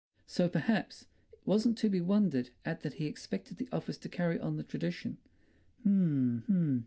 So perhaps it wasn't to be wondered at that he expected the office to carry on the tradition. H'm, h'm!